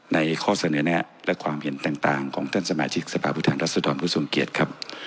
ในข้อเสนอแนะและความเห็นต่างของท่านสมาชิกสภาพวิทยาลัยราชดรพฤศงเกียจครับ